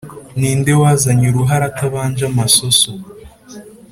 ni nde wazanye uruhara atabanje amasoso?